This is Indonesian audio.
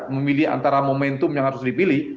memilih antara momentum yang harus dipilih